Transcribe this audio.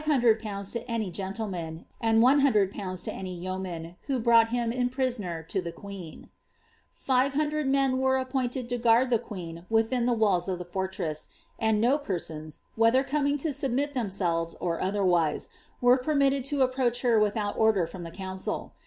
lo any geo tlentan, and 100^ to any yeoman, who brought him in prisoner to tha Five hundred men were appointed to guard the queen within the walli of the fortress;' and no persons, whether coming to submit ihemselrn, or otherwise, were permitted to approach her without order from tlw council.